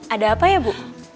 ada apa ya bu